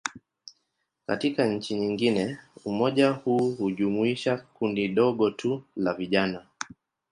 Katika nchi nyingine, umoja huu hujumuisha kundi dogo tu la vijana.